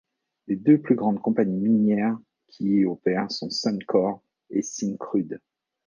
Les deux plus grandes compagnies minières qui y opèrent sont Suncor et Syncrude.